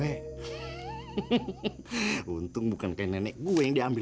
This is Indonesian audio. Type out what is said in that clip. hehehe untung bukan kain nenek gue yang dia ambil